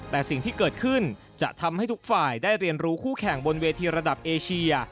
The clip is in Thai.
แต่สิ่งที่เกิดขึ้นจะทำให้ทุกฝ่ายได้เรียนรู้คู่แข่งบนเวทีระดับเอเชีย